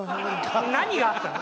何があったの？